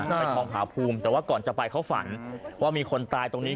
ไปทองผาภูมิแต่ว่าก่อนจะไปเขาฝันว่ามีคนตายตรงนี้